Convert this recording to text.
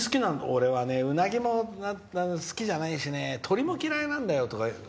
俺はうなぎも好きじゃないしね鶏も嫌いなんだって。